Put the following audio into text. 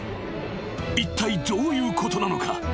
［いったいどういうことなのか？］